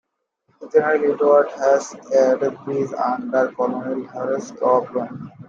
General Edward Hatch and a brigade under Colonel Horace Capron.